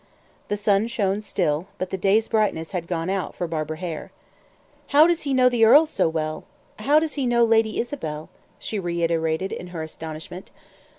The sun shone still, but the day's brightness had gone out for Barbara Hare. "How does he know the earl so well? How does he know Lady Isabel?" she reiterated in her astonishment.